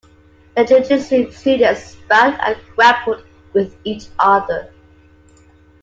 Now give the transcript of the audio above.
The jujitsu students sparred and grappled with each other.